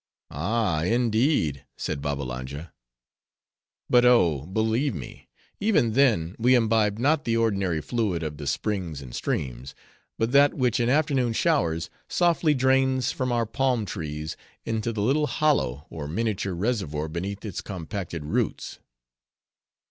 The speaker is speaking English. "Ah, indeed?" said Babbalanja. "But oh! believe me; even then, we imbibe not the ordinary fluid of the springs and streams; but that which in afternoon showers softly drains from our palm trees into the little hollow or miniature reservoir beneath its compacted roots."